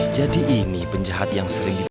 jadi ini penjahat yang sering dibawa